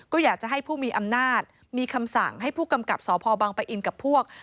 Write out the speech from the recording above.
ก็อยากจะให้ผู้มีอำนาจมีคำสั่งให้ผู้กำกับสพบังปะอินกับพวก